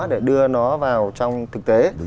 để đưa nó vào trong thực tế